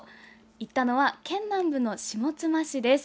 行ったのは県南部の下妻市です。